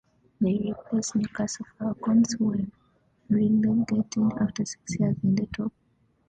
They replaced Newcastle Falcons who were relegated after six years in the top flight.